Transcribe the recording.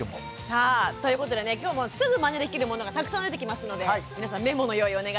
さあということでね今日もすぐマネできるものがたくさん出てきますので皆さんメモの用意お願いします。